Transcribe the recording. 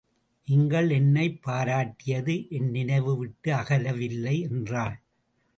நீங்கள் என்னைப் பாராட்டியது என் நினைவு விட்டு அகலவில்லை என்றாள்.